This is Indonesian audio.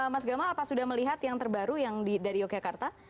mas gamal apakah sudah melihat yang terbaru dari yogyakarta